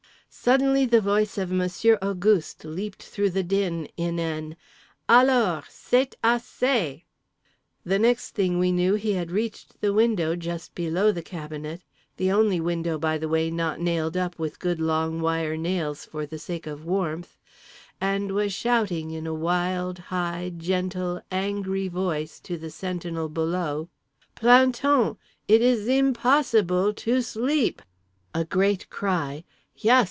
Suddenly the voice of Monsieur Auguste leaped through the din in an "Alors! c'est as sez." The next thing we knew he had reached the window just below the cabinet (the only window, by the way, not nailed up with good long wire nails for the sake of warmth) and was shouting in a wild, high, gentle, angry voice to the sentinel below: "Plan ton! It is im pos si ble to sleep!" A great cry: "Yes!